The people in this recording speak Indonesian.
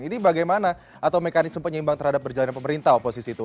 ini bagaimana atau mekanisme penyeimbang terhadap berjalannya pemerintah oposisi itu